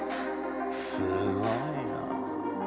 すごいなあ。